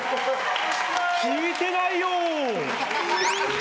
聞いてないよ！